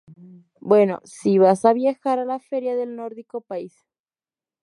Bueno, si vas a viajar a la feria del nórdico país,